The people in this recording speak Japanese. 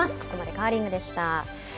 ここまでカーリングでした。